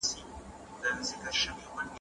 آیا ستا په زړه کې د وطن مینه سته؟